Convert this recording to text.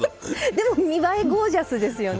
でも見栄えゴージャスですよね。